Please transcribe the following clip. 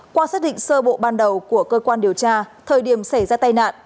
qua xác định sơ bộ ban đầu của cơ quan điều tra thời điểm xảy ra tai nạn